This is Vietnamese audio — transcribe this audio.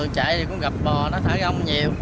chạy thì cũng gặp bò nó thả rong nhiều